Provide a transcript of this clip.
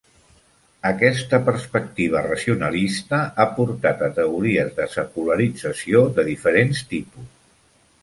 Aquesta perspectiva racionalista ha portat a teories de secularització de diferents tipus.